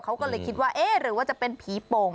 เขาก็เลยคิดว่าเอ๊ะหรือว่าจะเป็นผีโป่ง